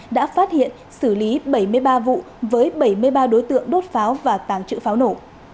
đã phát hiện xử lý bảy mươi ba vụ với bảy mươi ba đối tượng đốt pháo và tàng trữ pháo nổ